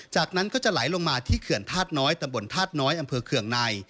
จากนั้นก็จะไหลลงมาที่เขื่อนธาตุน้อยตำบลธาตุน้อยอำเภอเคืองใน